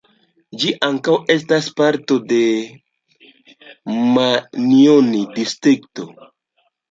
Ĝi ankaŭ estas parto de Manjoni-Distrikto.